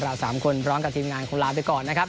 เรา๓คนพร้อมกับทีมงานคงลาไปก่อนนะครับ